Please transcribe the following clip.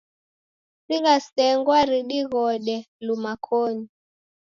Sigha sengwa ridighode luma koni.